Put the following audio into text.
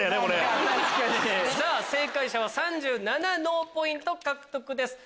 正解者は３７脳ポイント獲得です。